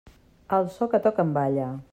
Al so que toquen, balla.